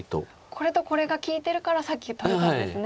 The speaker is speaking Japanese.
これとこれが利いてるからさっき止めたんですね。